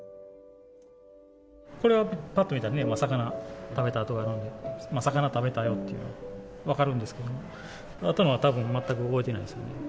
これはぱっと見たらね、魚食べた跡があるんで、魚食べたよって分かるんですけどね、あとのはたぶん全く覚えてないですね。